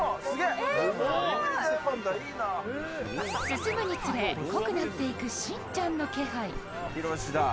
進むにつれ、濃くなっていくしんちゃんの気配。